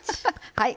はい。